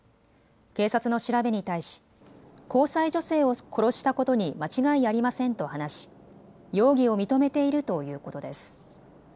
警察の調べに対し交際女性を殺したことに間違いありませんと話し容疑を認めているということです。